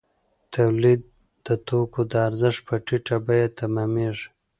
تولید د توکو د ارزښت په ټیټه بیه تمامېږي